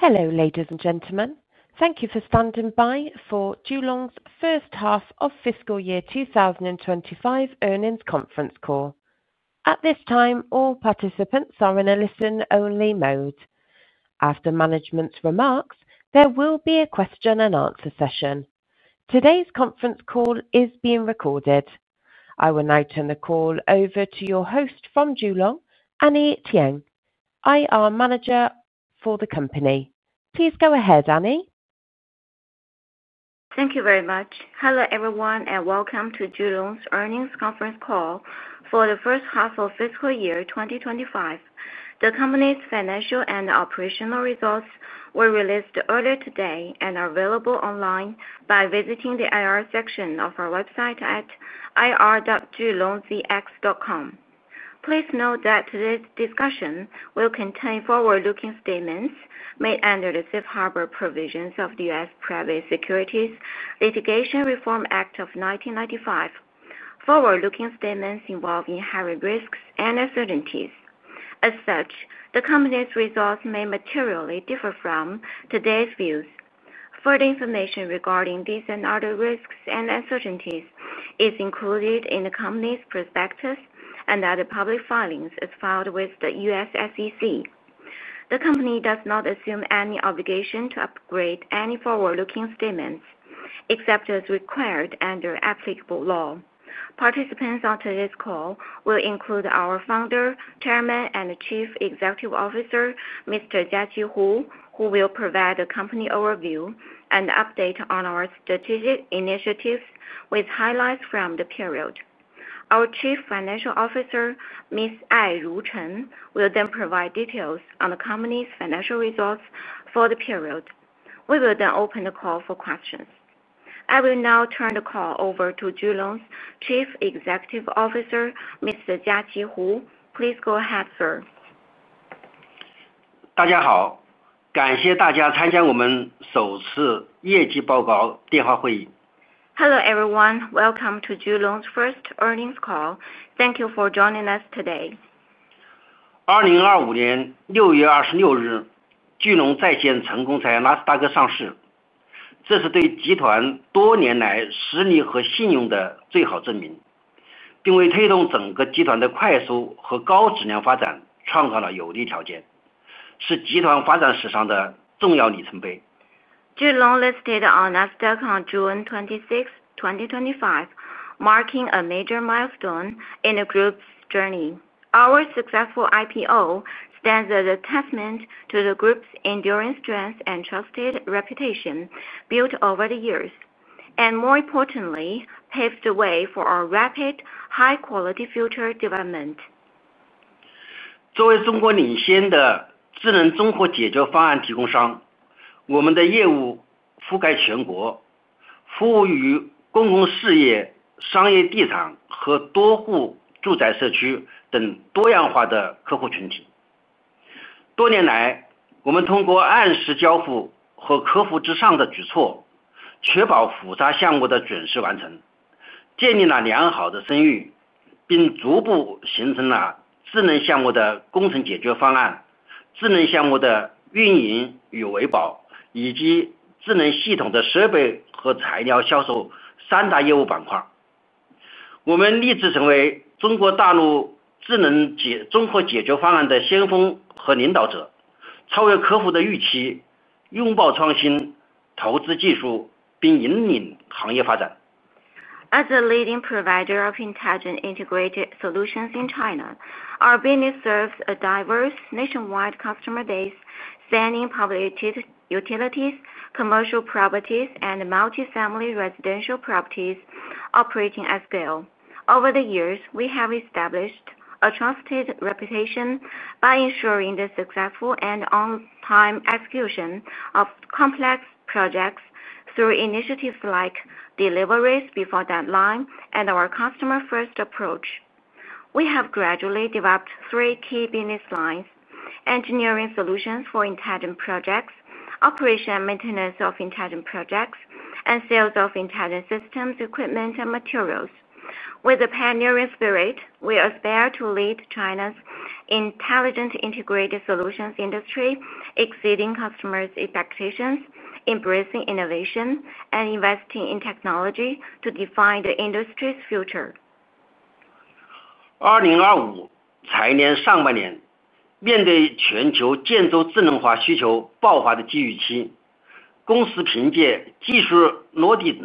Hello, ladies and gentlemen. Thank you for standing by for Julong Holding Limited's first half of fiscal year 2025 earnings conference call. At this time, all participants are in a listen-only mode. After management's remarks, there will be a question and answer session. Today's conference call is being recorded. I will now turn the call over to your host from Julong Holding Limited, Annie Tien. I am Manager for the company. Please go ahead, Annie. Thank you very much. Hello everyone, and welcome to Julong Holding Limited's earnings conference call for the first half of fiscal year 2025. The company's financial and operational results were released earlier today and are available online by visiting the IR section of our website at ir.julongcx.com. Please note that today's discussion will contain forward-looking statements made under the Safe Harbor provisions of the U.S. Private Securities Litigation Reform Act of 1995, forward-looking statements involving higher risks and uncertainties. As such, the company's results may materially differ from today's views. Further information regarding these and other risks and uncertainties is included in the company's prospectus and other public filings as filed with the U.S. SEC. The company does not assume any obligation to update any forward-looking statements except as required under applicable law. Participants on today's call will include our Founder, Chairman, and Chief Executive Officer, Mr. Jiaqi Hu, who will provide a company overview and update on our strategic initiatives with highlights from the period. Our Chief Financial Officer, Ms. Airu Chen, will then provide details on the company's financial results for the period. We will then open the call for questions. I will now turn the call over to Julong Holding Limited's Chief Executive Officer, Mr. Jiaqi Hu. Please go ahead, sir. 大家好, 感谢大家参加我们首次业绩报告电话会议。Hello everyone, welcome to Julong Holding Limited's first earnings call. Thank you for joining us today. in the group's development history. Holding Limited listed on Nasdaq on June 26, 2025, marking a major milestone in the group's journey. Our successful IPO stands as a testament to the group's enduring strength and trusted reputation built over the years, and more importantly, paved the way for our rapid, high-quality future development. exceeding customer expectations, embracing innovation, investing in technology, and leading industry development. As a leading provider of intelligent integrated solutions in China, our business serves a diverse nationwide customer base, spanning public utilities, commercial properties, and multi-family residential properties operating at scale. Over the years, we have established a trusted reputation by ensuring the successful and on-time execution of complex projects through initiatives like deliveries before deadline and our customer-first approach. We have gradually developed three key business lines: engineering solutions for intelligent projects, operation and maintenance of intelligent projects, and sales of intelligent system equipment and materials. With a pioneering spirit, we aspire to lead China's intelligent integrated solutions industry, exceeding customers' expectations, embracing innovation, and investing in technology to define the industry's future. seizing the industry window to create long-term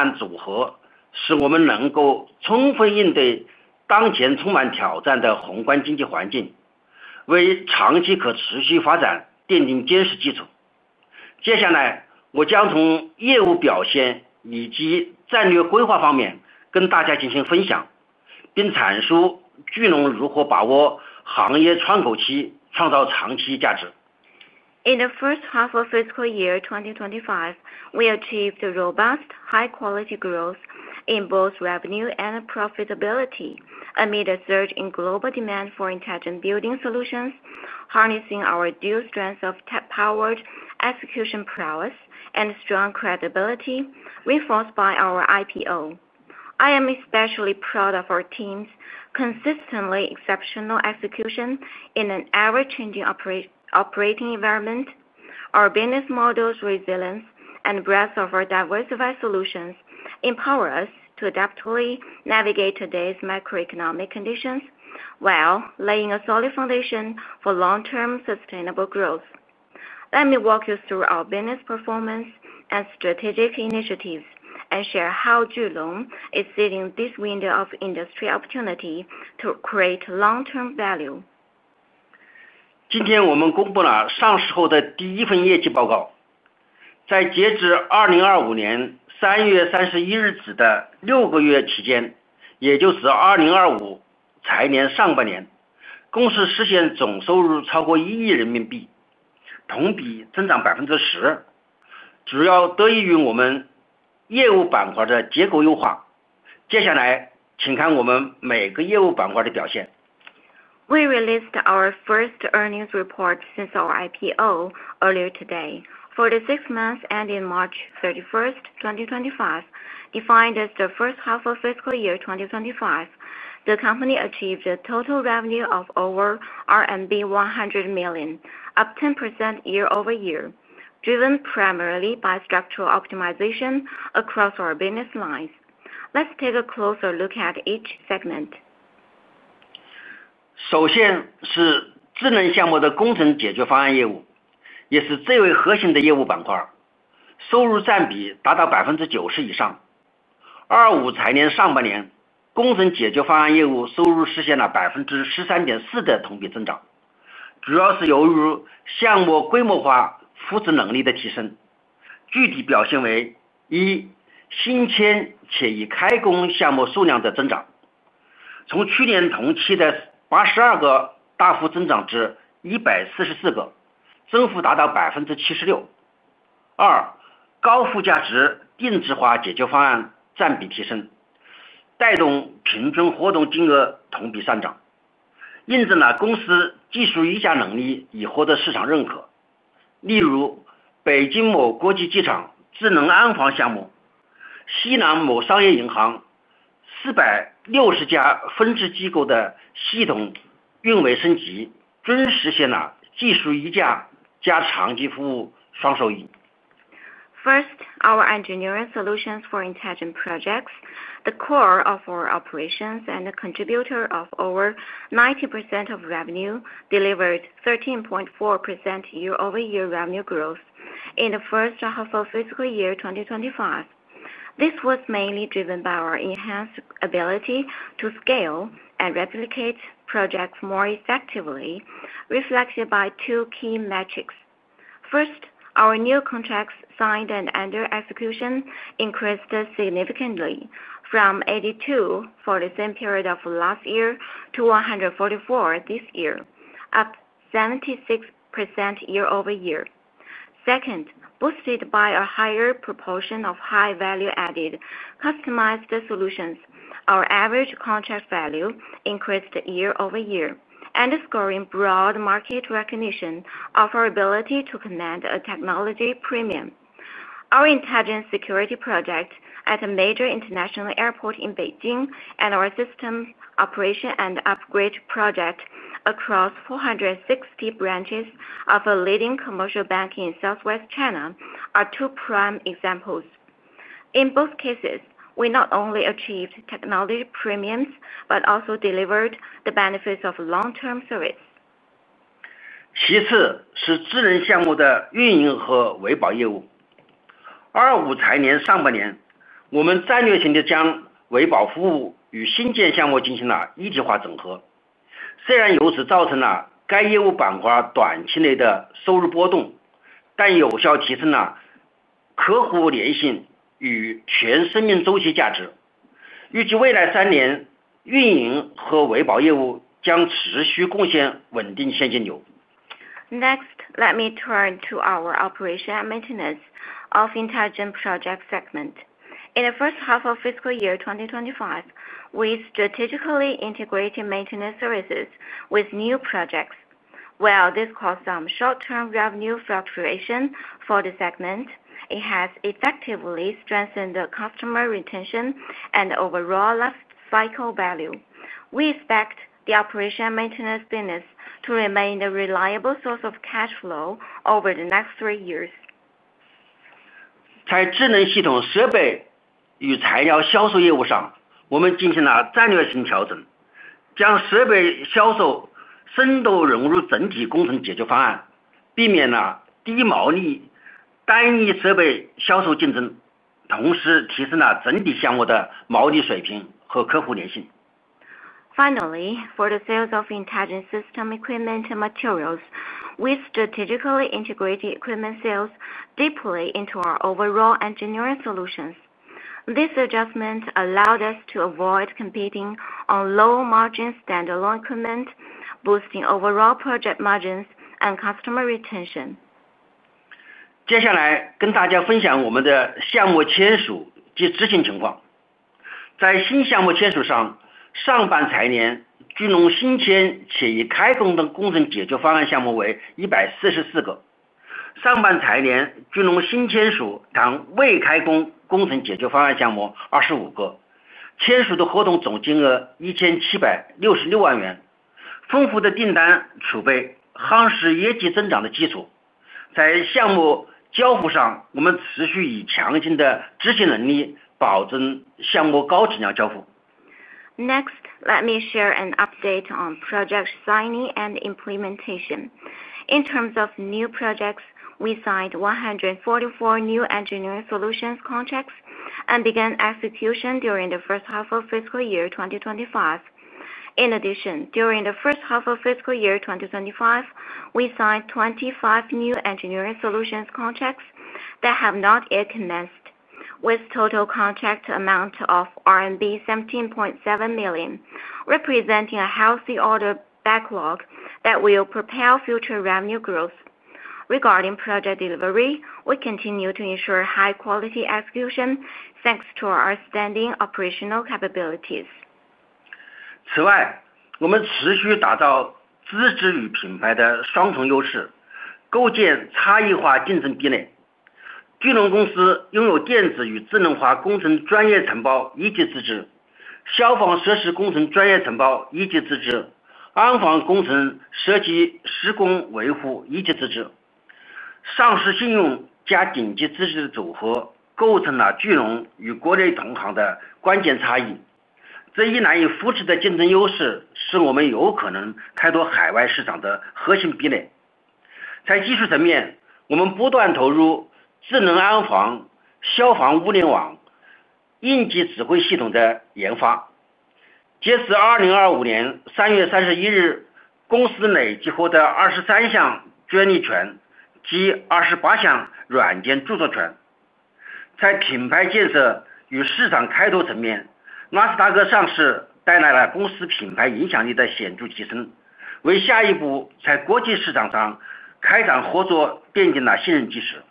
value. In the first half of fiscal year 2025, we achieved robust, high-quality growth in both revenue and profitability amid a surge in global demand for intelligent building solutions, harnessing our dual strengths of tech-powered execution prowess and strong credibility reinforced by our IPO. I am especially proud of our team's consistently exceptional execution in an ever-changing operating environment. Our business model's resilience and breadth of our diversified solutions empower us to adaptively navigate today's macroeconomic conditions while laying a solid foundation for long-term sustainable growth. Let me walk you through our business performance and strategic initiatives and share how Julong Holding Limited is seizing this window of industry opportunity to create long-term value. 今天我们公布了上市后的第一份业绩报告。在截止2025年3月31日止的6个月期间, 也就是2025财年上半年, 公司实现总收入超过¥100 million, 同比增长10%。主要得益于我们业务板块的结构优化。接下来请看我们每个业务板块的表现。We released our first earnings report since our IPO earlier today. For the six months ending March 31, 2025, defined as the first half of fiscal year 2025, the company achieved a total revenue of over RMB 100 million, up 10% year over year, driven primarily by structural optimization across our business lines. Let's take a closer look at each segment. First, our engineering solutions for intelligent projects, the core of our operations and a contributor of over 90% of revenue, delivered 13.4% year-over-year revenue growth in the first half of fiscal year 2025. This was mainly driven by our enhanced ability to scale and replicate projects more effectively, reflected by two key metrics. First, our new contracts signed and under execution increased significantly from 82 for the same period of last year to 144 this year, up 76% year over year. Second, boosted by a higher proportion of high-value added customized solutions, our average contract value increased year over year, underscoring broad market recognition of our ability to connect a technology premium. Our intelligent security system project at a major international airport in Beijing and our system upgrade project across 460 branches of a leading commercial bank in Southwestern China are two prime examples. In both cases, we not only achieved technology premiums but also delivered the benefits of long-term service. 其次是智能项目的运营和维保业务。25财年上半年，我们战略性地将维保服务与新建项目进行了一体化整合。虽然由此造成了该业务板块短期内的收入波动，但有效提升了客户粘性与全生命周期价值。预计未来三年，运营和维保业务将持续贡献稳定现金流。Next, let me turn to our operation and maintenance of intelligent projects segment. In the first half of fiscal year 2025, we strategically integrated maintenance services with new projects. While this caused some short-term revenue fluctuation for the segment, it has effectively strengthened the customer retention and overall lifecycle value. We expect the operation and maintenance business to remain a reliable source of cash flow over the next three years. 在智能系统设备与材料销售业务上，我们进行了战略性调整，将设备销售深度融入整体工程解决方案，避免了低毛利单一设备销售竞争，同时提升了整体项目的毛利水平和客户粘性。Finally, for the sales of intelligent system equipment and materials, we strategically integrated equipment sales deeply into our overall engineering solutions. This adjustment allowed us to avoid competing on low-margin standalone equipment, boosting overall project margins and customer retention. 接下来跟大家分享我们的项目签署及执行情况。在新项目签署上，上半财年聚龙新签且已开工的工程解决方案项目为144个，上半财年聚龙新签署尚未开工工程解决方案项目25个，签署的合同总金额为人民币17.66 million，丰富的订单储备，夯实业绩增长的基础。在项目交付上，我们持续以强劲的执行能力保证项目高质量交付。Next, let me share an update on project signing and implementation. In terms of new projects, we signed 144 new engineering solutions contracts and began execution during the first half of fiscal year 2025. In addition, during the first half of fiscal year 2025, we signed 25 new engineering solutions contracts that have not yet commenced, with a total contract amount of RMB 17.7 million, representing a healthy order backlog that will propel future revenue growth. Regarding project delivery, we continue to ensure high-quality execution thanks to our outstanding operational capabilities. 此外, 我们持续打造资质与品牌的双重优势, 构建差异化竞争壁垒。聚龙公司拥有电子与智能化工程专业承包一级资质, 消防设施工程专业承包一级资质, 安防工程设计施工维护一级资质, 上市信用加顶级资质的组合构成了聚龙与国内同行的关键差异。这一难以复制的竞争优势使我们有可能开拓海外市场的核心壁垒。在技术层面, 我们不断投入智能安防、消防物联网、应急指挥系统的研发。截止2025年3月31日, 公司累计获得23项专利权及28项软件著作权。在品牌建设与市场开拓层面, 纳斯达克上市带来了公司品牌影响力的显著提升, 为下一步在国际市场上开展合作奠定了信任基石。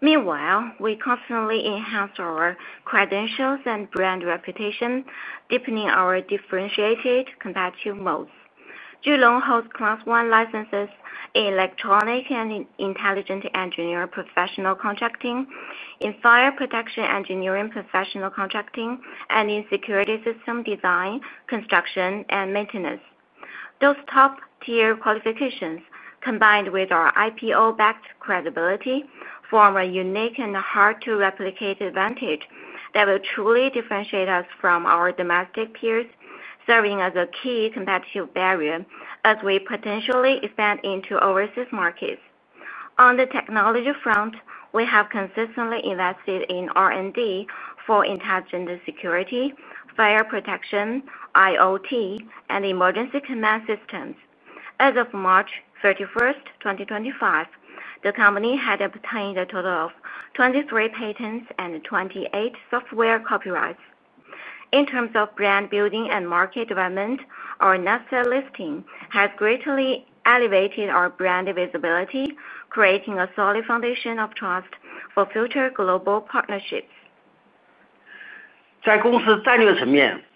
Meanwhile, we constantly enhanced our credentials and brand reputation, deepening our differentiated competitive modes. Julong Holding Limited holds Class 1 licenses in electronic and intelligent engineering professional contracting, in fire protection engineering professional contracting, and in security system design, construction, and maintenance. Those top-tier qualifications, combined with our IPO-backed credibility, form a unique and hard-to-replicate advantage that will truly differentiate us from our domestic peers, serving as a key competitive barrier as we potentially expand into overseas markets. On the technology front, we have consistently invested in R&D for intelligent security, fire protection, IoT, and emergency command systems. As of March 31, 2025, the company had obtained a total of 23 patents and 28 software copyrights. In terms of brand building and market development, our Nasdaq listing has greatly elevated our brand visibility, creating a solid foundation of trust for future global partnerships. open and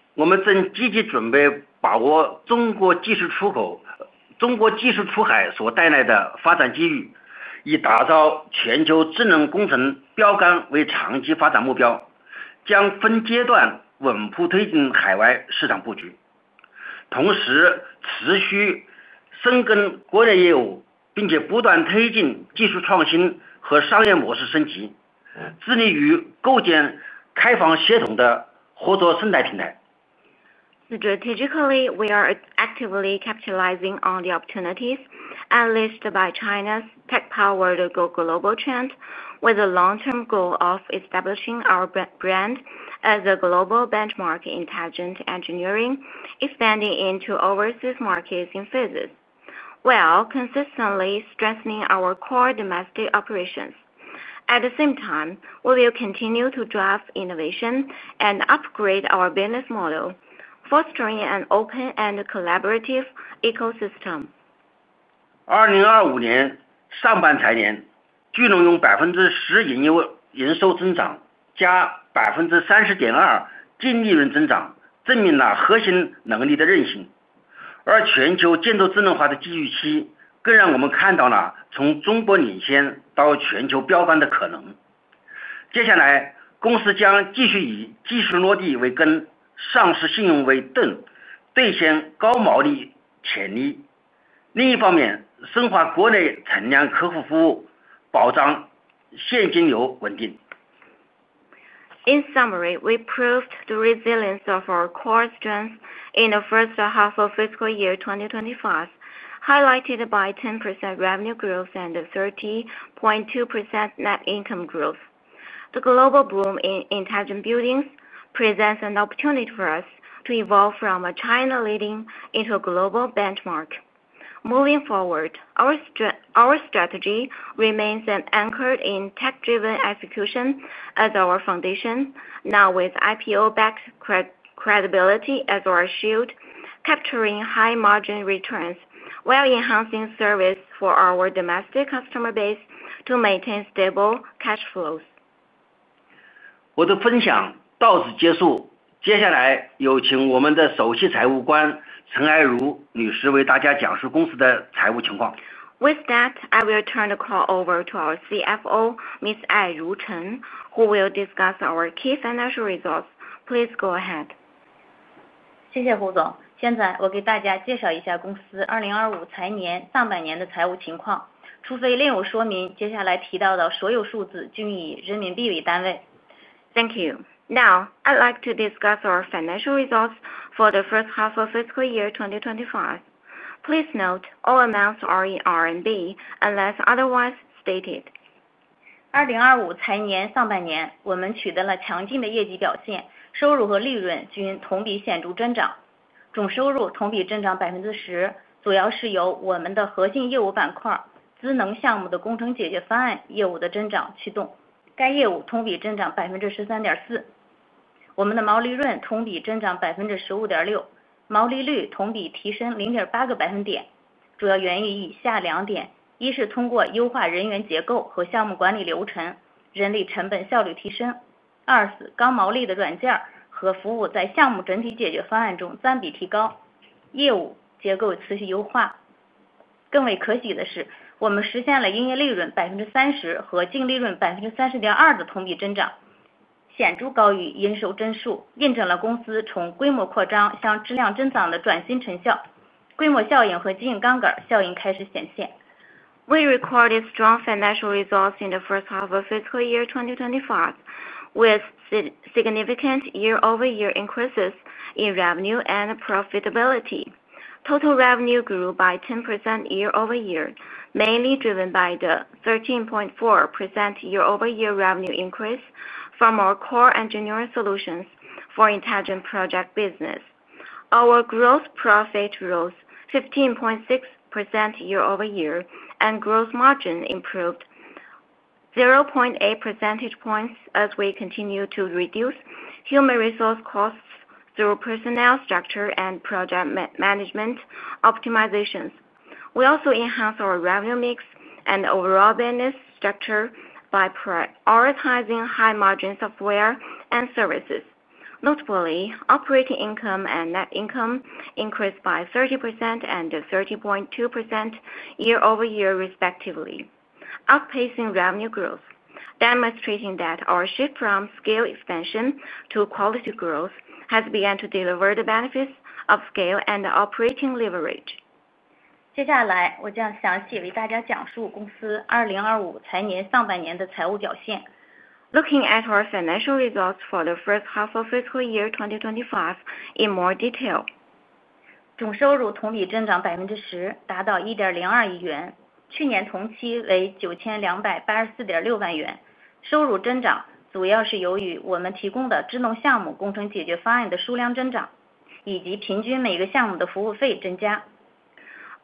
collaborative cooperation ecosystem platform. Strategically, we are actively capitalizing on the opportunities unleashed by China's tech-powered global trend, with the long-term goal of establishing our brand as a global benchmark in intelligent engineering, expanding into overseas markets in phases, while consistently strengthening our core domestic operations. At the same time, we will continue to drive innovation and upgrade our business model, fostering an open and collaborative ecosystem. existing customer service to ensure stable cash flow. In summary, we proved the resilience of our core strengths in the first half of fiscal year 2025, highlighted by 10% revenue growth and 30.2% net income growth. The global boom in intelligent buildings presents an opportunity for us to evolve from a China leading into a global benchmark. Moving forward, our strategy remains anchored in tech-driven execution as our foundation, now with IPO-backed credibility as our shield, capturing high margin returns while enhancing service for our domestic customer base to maintain stable cash flows. 我的分享到此结束, 接下来有请我们的首席财务官陈爱如女士为大家讲述公司的财务情况。With that, I will turn the call over to our CFO, Ms. Airu Chen, who will discuss our key financial results. Please go ahead. below are in RMB. Thank you. Now, I'd like to discuss our financial results for the first half of fiscal year 2025. Please note all amounts are in RMB unless otherwise stated. company's transformation from scale expansion to quality growth, with scale effects and operating leverage beginning to emerge. We recorded strong financial results in the first half of fiscal year 2025, with significant year-over-year increases in revenue and profitability. Total revenue grew by 10% year over year, mainly driven by the 13.4% year-over-year revenue increase from our core engineering solutions for intelligent project business. Our gross profit rose 15.6% year over year, and gross margin improved 0.8 percentage points as we continue to reduce human resource costs through personnel structure and project management optimizations. We also enhanced our revenue mix and overall business structure by prioritizing high-margin software and services. Notably, operating income and net income increased by 30% and 30.2% year over year, respectively, outpacing revenue growth, demonstrating that our shift from scale expansion to quality growth has begun to deliver the benefits of scale and operating leverage. 接下来我将详细为大家讲述公司2025财年上半年的财务表现。Looking at our financial results for the first half of fiscal year 2025 in more detail. service fees per project.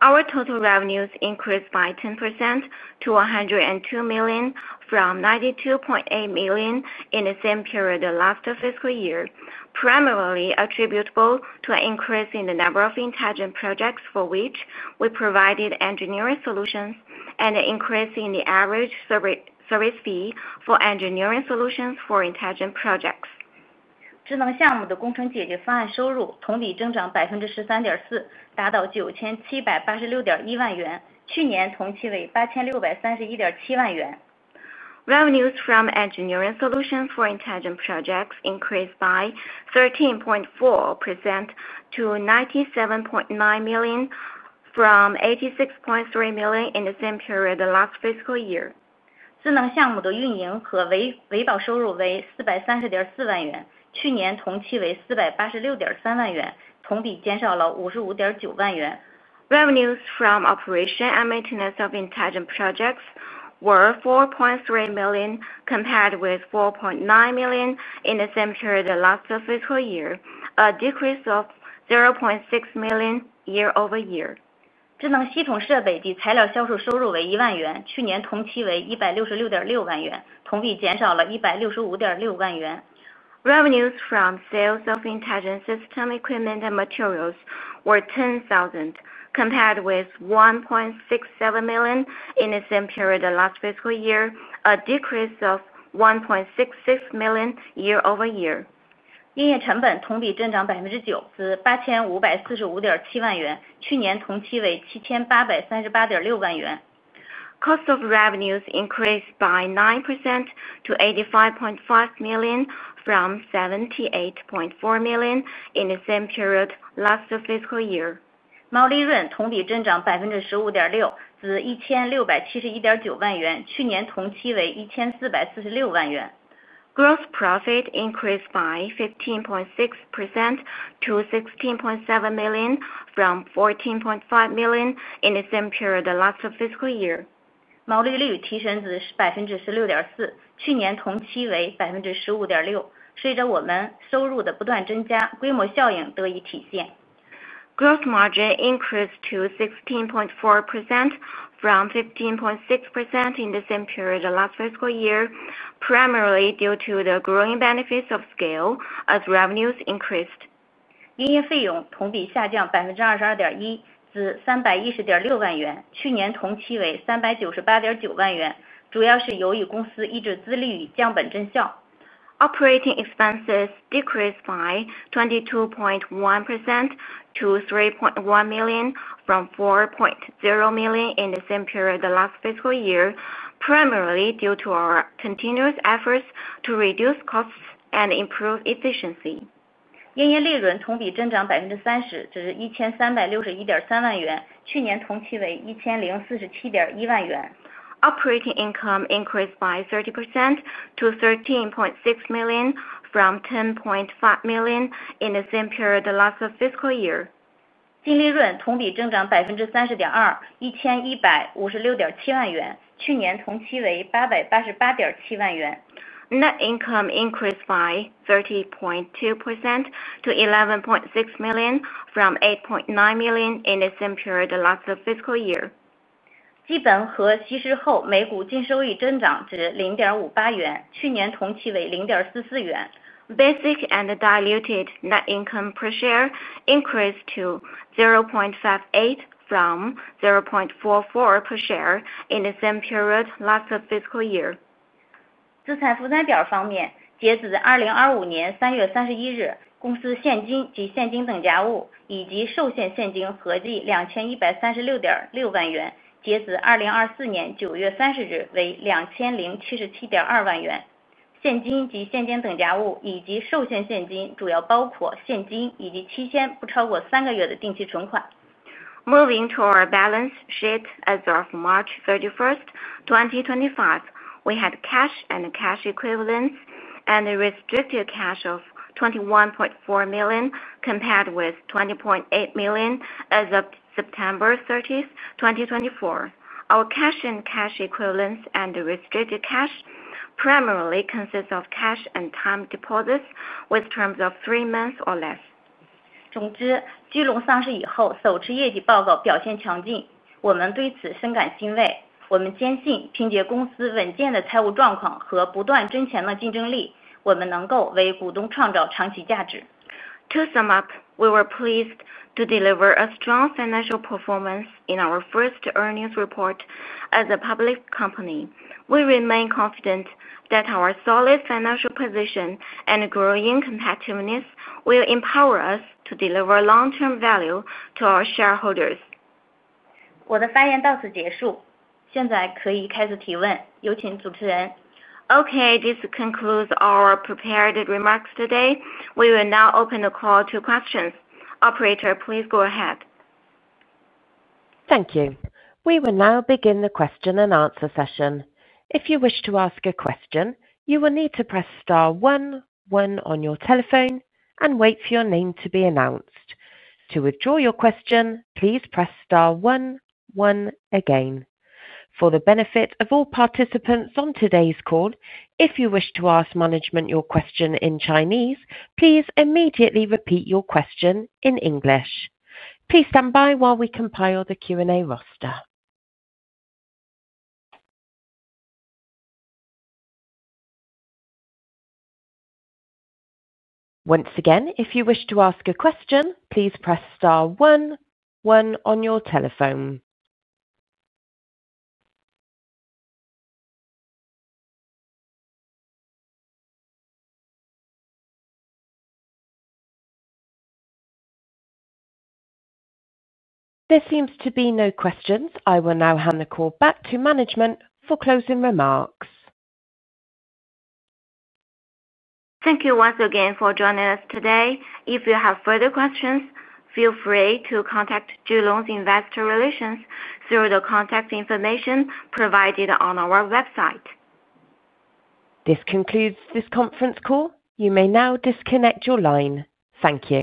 Our total revenues increased by 10% to $102 million from $92.8 million in the same period of last fiscal year, primarily attributable to an increase in the number of intelligent projects for which we provided engineering solutions and an increase in the average service fee for engineering solutions for intelligent projects. period last year. Revenues from engineering solutions for intelligent projects increased by 13.4% to $97.9 million from $86.3 million in the same period of last fiscal year. year over year. Revenues from operation and maintenance of intelligent projects were $4.3 million compared with $4.9 million in the same period of last fiscal year, a decrease of $0.6 million year over year. year over year. Revenues from sales of intelligent system equipment and materials were $10,000 compared with $1.67 million in the same period of last fiscal year, a decrease of $1.66 million year over year. period last year. Cost of revenues increased by 9% to $85.5 million from $78.4 million in the same period of last fiscal year. period last year. Gross profit increased by 15.6% to $16.7 million from $14.5 million in the same period of last fiscal year. is being realized. Gross margin increased to 16.4% from 15.6% in the same period of last fiscal year, primarily due to the growing benefits of scale as revenues increased. reduction and efficiency improvement. Operating expenses decreased by 22.1% to $3.1 million from $4.0 million in the same period of last fiscal year, primarily due to our continuous efforts to reduce costs and improve efficiency. period last year. Operating income increased by 30% to $13.6 million from $10.5 million in the same period of last fiscal year. period last year. Net income increased by 30.2% to $11.6 million from $8.9 million in the same period of last fiscal year. 基本和稀释后每股净收益增长至0.58元, 去年同期为0.44元。Basic and diluted net income per share increased to $0.58 from $0.44 per share in the same period of last fiscal year. more than three months. Moving to our balance sheet as of March 31, 2025, we had cash and cash equivalents and restricted cash of $21.4 million compared with $20.8 million as of September 30, 2024. Our cash and cash equivalents and restricted cash primarily consist of cash and time deposits with terms of three months or less. 总之, 聚龙上市以后, 首次业绩报告表现强劲, 我们对此深感欣慰。我们坚信凭借公司稳健的财务状况和不断增强的竞争力, 我们能够为股东创造长期价值。To sum up, we were pleased to deliver a strong financial performance in our first earnings report as a public company. We remain confident that our solid financial position and growing competitiveness will empower us to deliver long-term value to our shareholders. session. Please, host. Okay, this concludes our prepared remarks today. We will now open the call to questions. Operator, please go ahead. Thank you. We will now begin the question and answer session. If you wish to ask a question, you will need to press *1 on your telephone and wait for your name to be announced. To withdraw your question, please press *1 again. For the benefit of all participants on today's call, if you wish to ask management your question in Chinese, please immediately repeat your question in English. Please stand by while we compile the Q&A roster. Once again, if you wish to ask a question, please press *1 on your telephone. There seems to be no questions. I will now hand the call back to management for closing remarks. Thank you once again for joining us today. If you have further questions, feel free to contact Julong Holding Limited's investor relations through the contact information provided on our website. This concludes this conference call. You may now disconnect your line. Thank you.